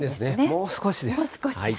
もう少しです。